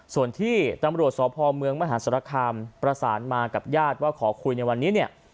ส่วนที่ตำรวจสพเมืองมหาศาลคามประสานมากับญาติว่าขอคุยในวันนี้เนี่ย